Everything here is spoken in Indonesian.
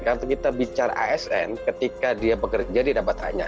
kalau kita bicara asn ketika dia bekerja dia dapat hanya